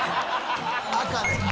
赤で。